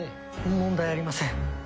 問題ありません。